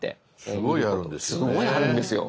すごいあるんですよね。